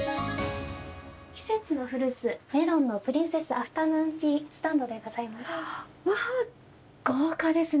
季節のフルーツ、メロンのプリンセスアフタヌーンティースタンドでございます。